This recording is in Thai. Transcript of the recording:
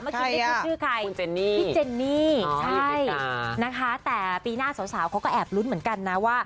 เมื่อกี้ได้ชื่อชื่อใครคุณเจนนี่พี่เจนนี่ใช่นะคะแต่ปีหน้าสาวเขาก็แอบลุ้นเหมือนกันนะว่า